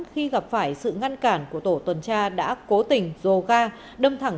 khi gặp phải sự ngăn cản của tổ tuần tra đã cố tình dồ ga đâm thẳng